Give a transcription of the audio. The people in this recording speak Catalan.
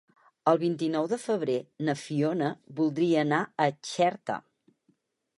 El vint-i-nou de febrer na Fiona voldria anar a Xerta.